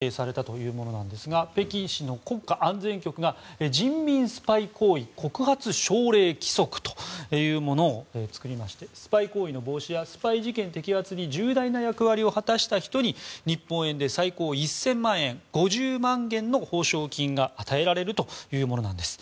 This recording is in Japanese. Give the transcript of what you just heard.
こちら２０１７年４月１０日に制定されたものですが北京市の国家安全局が人民スパイ行為告発奨励規則というものを作りましてスパイ行為の防止やスパイ事件摘発に重大な役割を果たした人に日本円で最高１０００万円５０万元の報奨金が与えられるものです。